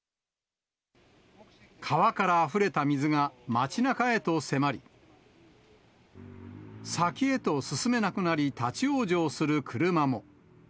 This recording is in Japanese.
川からあふれた水が町なかへと迫り、先へと進めなくなり、立往生する車も。